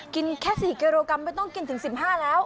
แค่๔กิโลกรัมไม่ต้องกินถึง๑๕แล้ว